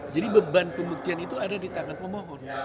jadi beban pembuktian itu ada di tangan pembohon